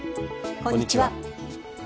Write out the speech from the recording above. こんにちは。